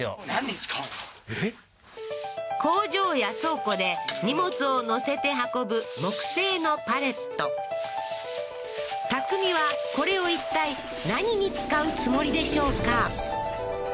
工場や倉庫で荷物を載せて運ぶ木製のパレット匠はこれを一体何に使うつもりでしょうか？